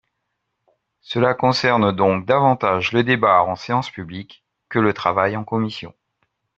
Cela concerne donc davantage le débat en séance publique que le travail en commission.